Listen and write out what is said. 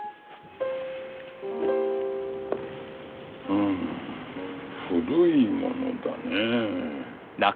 うん古いものだねえ。